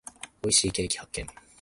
美味しいケーキ発見。